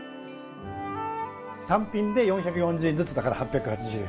単品で４４０円ずつだから８８０円。